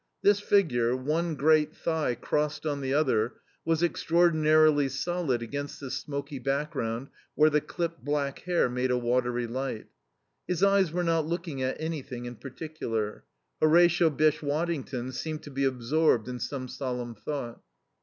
This figure, one great thigh crossed on the other, was extraordinarily solid against the smoky background where the clipped black hair made a watery light. His eyes were not looking at anything in particular. Horatio Bysshe Waddington seemed to be absorbed in some solemn thought.